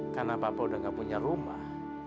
karena papa udah gak punya rumah